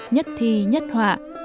nhất thi nhất họa